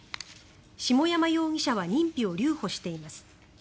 下山容疑者は認否を留保しています。